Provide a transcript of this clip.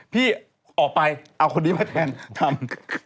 พี่ออกไปเอาคนนี้มาแทนทำ